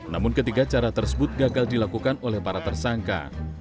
namun ketiga cara tersebut gagal dilakukan oleh para tersangka